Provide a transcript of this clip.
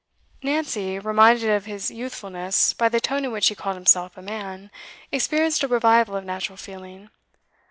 Nancy, reminded of his youthfulness by the tone in which he called himself a 'man,' experienced a revival of natural feeling.